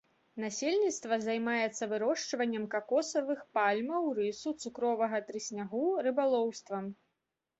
Насельніцтва займаецца вырошчваннем какосавых пальмаў, рысу, цукровага трыснягу, рыбалоўствам.